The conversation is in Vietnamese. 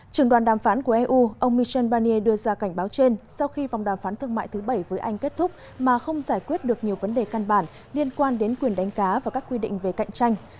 trường đoàn đàm phán của eu ông michel barnier đưa ra cảnh báo trên sau khi vòng đàm phán thương mại thứ bảy với anh kết thúc mà không giải quyết được nhiều vấn đề căn bản liên quan đến quyền đánh cá và các quy định về cạnh tranh